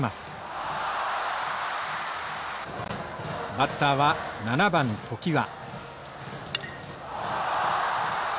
バッターは７番常盤。